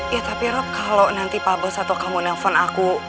ya tapi rob kalau nanti pak bos atau kamu nelfon aku